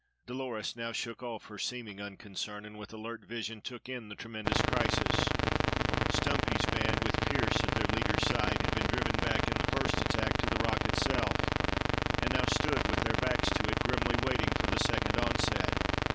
Dolores now shook off her seeming unconcern, and with alert vision took in the tremendous crisis. Stumpy's band, with Pearse at their leader's side, had been driven back in the first attack to the rock itself; and now stood with their backs to it grimly waiting for the second onset.